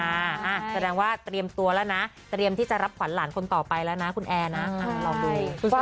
แสดงว่าเตรียมตัวแล้วนะเตรียมที่จะรับขวัญหลานคนต่อไปแล้วนะคุณแอร์นะลองดู